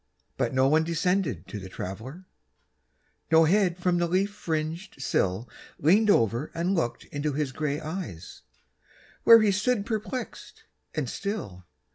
But no one descended to the Traveler; No head from the leaf fringed sill Leaned over and looked into his gray eyes, Where he stood perplexed and still.